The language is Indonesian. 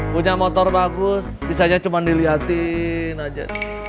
punya motor bagus bisanya cuma dilihatin aja